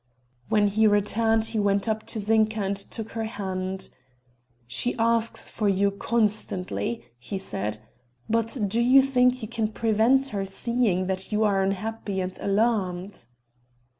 When he returned he went up to Zinka and took her hand: "She asks for you constantly," he said, "but do you think you can prevent her seeing that you are unhappy and alarmed?"